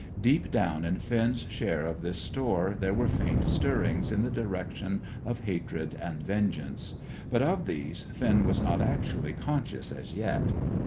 Deep down in Finn's share of this store there were faint stirrings in the direction of hatred and vengeance; but of these, Finn was not actually conscious as yet.